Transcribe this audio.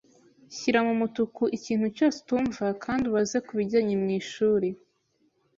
Shyira mumutuku ikintu cyose utumva kandi ubaze kubijyanye mwishuri.